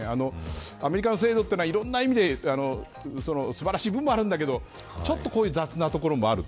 アメリカの制度はいろんな意味で素晴らしい部分もあるんだけどちょっと、こういう雑なところがある。